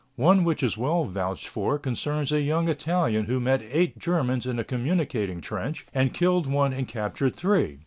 One which is well vouched for concerns a young Italian who met eight Germans in a communicating trench and killed one and captured three.